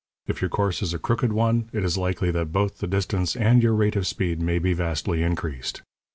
If your course is a crooked one, it is likely that both the distance and your rate of speed may be vastly increased.